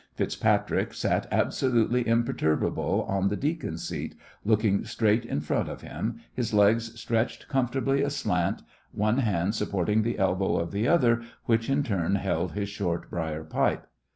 FitzPatrick sat absolutely imperturbable on the deacon seat, looking straight in front of him, his legs stretched comfortably aslant, one hand supporting the elbow of the other, which in turn held his short brier pipe.